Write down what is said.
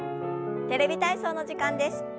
「テレビ体操」の時間です。